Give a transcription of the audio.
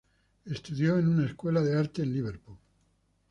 Estudió en una escuela de arte en Liverpool.